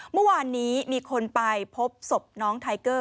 เมื่อวานนี้มีคนไปพบศพน้องไทเกอร์